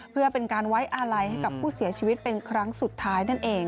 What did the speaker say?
เพื่อเป็นการไว้อาลัยให้กับผู้เสียชีวิตเป็นครั้งสุดท้ายนั่นเอง